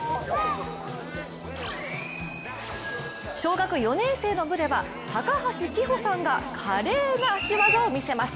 小学４年生の部では高橋希歩さんが華麗な足技を見せます。